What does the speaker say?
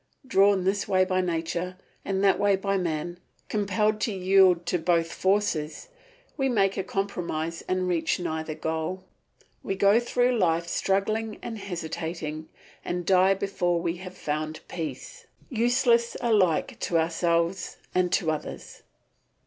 Drawn this way by nature and that way by man, compelled to yield to both forces, we make a compromise and reach neither goal. We go through life, struggling and hesitating, and die before we have found peace, useless alike to ourselves and to others.